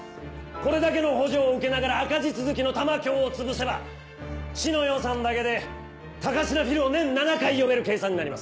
これだけの補助を受けながら赤字続きの玉響を潰せば市の予算だけで高階フィルを年７回呼べる計算になります。